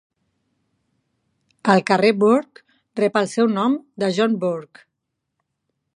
El carrer Bourke rep el seu nom de John Bourke.